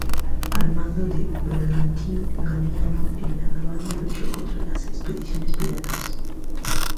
Al mando del bergantín "Galiano" en La Habana luchó contra las expediciones piratas.